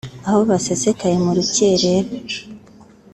aho basesekaye mu rukerera